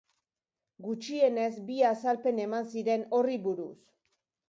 Gutxienez bi azalpen eman ziren horri buruz.